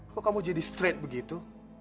kok kamu jadi straight begitu